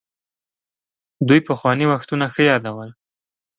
دوی پخواني وختونه ښه يادول.